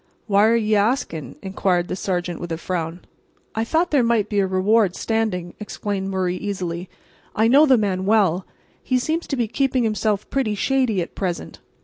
"Why are ye asking?" inquired the sergeant, with a frown. "I thought there might be a reward standing," explained Murray, easily. "I know the man well. He seems to be keeping himself pretty shady at present.